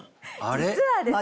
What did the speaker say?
実はですね